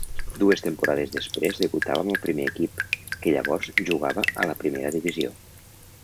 Dues temporades després debutava amb el primer equip, que llavors jugava a la Primera divisió.